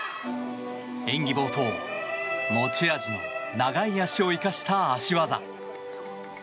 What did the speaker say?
演技冒頭持ち味の長い脚を生かした脚技。